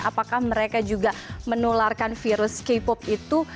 apakah mereka juga menularkan virus k pop itu